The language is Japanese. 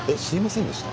すいませんでした。